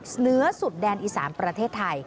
เหนือสุดแดนอีสานประเทศไทย